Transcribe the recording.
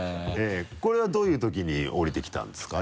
これはどういうときに降りてきたんですか？